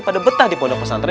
pada betah di ponok pesantrenya